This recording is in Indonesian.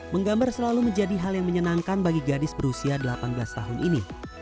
menggambar selalu menjadi hal yang menyenangkan bagi gadis berusia delapan belas tahun ini